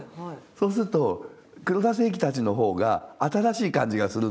そうすると黒田清輝たちの方が新しい感じがするんですよ。